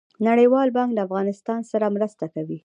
نړیوال بانک له افغانستان سره مرسته کوي